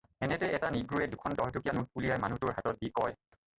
এনেতে এটা নিগ্ৰোৱে দুখন দহ টকীয়া নোট উলিয়াই মানুহটোৰ হাতত দি কয়